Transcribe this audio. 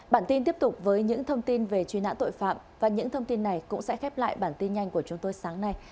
bản tin tiếp tục với những thông tin về truy nã tội phạm và những thông tin này cũng sẽ khép lại bản tin nhanh của chúng tôi sáng nay